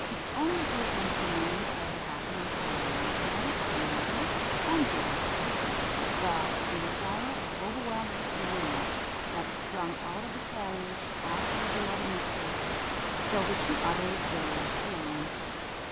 The only persons who knew what had happened were Longthorn, her mother, and Gilliflower; but Gilliflower, overwhelmed with grief, had sprung out of the carriage after her beloved mistress; so the two others were left alone.